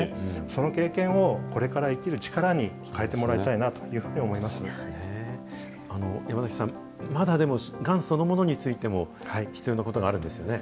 その経験をこれから生きる力に変えてもらいたいなというふうに思山崎さん、まだがんそのものについても、必要なことがあるんですよね。